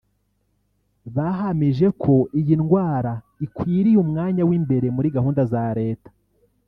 bahamije ko iyi ndwara ikwiye umwanya w’imbere muri gahunda za leta